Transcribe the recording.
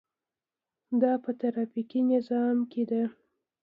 دا په ټرافیکي نظام کې ده.